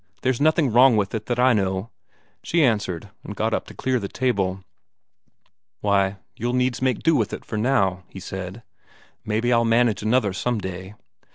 There's nothing wrong with it that I know," she answered, and got up to clear the table. "Why, you'll needs make do with it for now," he said. "Maybe I'll manage another some day."